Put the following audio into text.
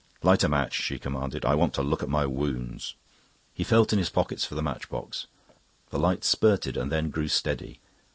"Light a match," she commanded. "I want to look at my wounds." He felt in his pockets for the match box. The light spurted and then grew steady.